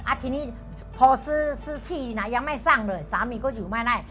ทีนี้พอซื้อซื้อที่นะยังไม่สร้างเลยสามีก็อยู่ไม่ได้